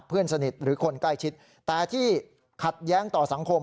เพื่อนสนิทหรือคนใกล้ชิดแต่ที่ขัดแย้งต่อสังคม